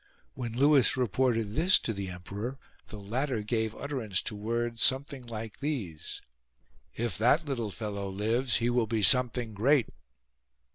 When Lewis reported this to the emperor, the latter gave utterance to words something like these :—" If that little fellow lives he will be something great."